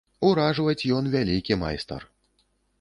Уражваць ён вялікі майстар.